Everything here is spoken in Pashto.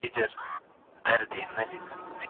زه اجازه لرم چي سبزیحات تيار کړم!؟